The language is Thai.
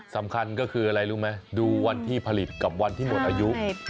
สำคัญก็คืออะไรรู้ไหมดูวันที่ผลิตกับวันที่หมดอายุ